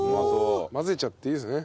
混ぜちゃっていいですね。